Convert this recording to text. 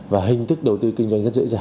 và hình thức đầu tư kinh doanh rất dễ dàng